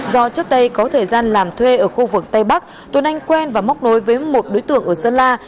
do trước đây có thời gian làm thuê ở khu vực tây bắc tuấn anh quen và móc nối với một đối tượng ở sơn la